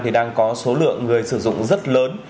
thì đang có số lượng người sử dụng rất lớn